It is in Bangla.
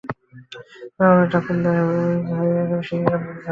মিতুর বাবা ঠাকুর দাস ভৌমিক ফেরি করে শিঙাড়া, পুরি, ঝালমুড়ি বিক্রি করেন।